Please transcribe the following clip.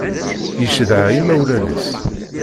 Yeccedha imawlan-is.